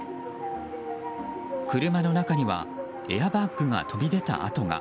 車の中にはエアバッグが飛び出た跡が。